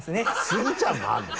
スギちゃんもあるの？